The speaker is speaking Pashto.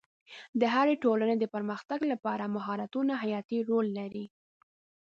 د هرې ټولنې د پرمختګ لپاره مهارتونه حیاتي رول لري.